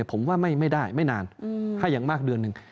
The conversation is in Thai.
ผมว่าไม่ได้ไม่นานถ้าอย่างมากเดือนหนึ่ง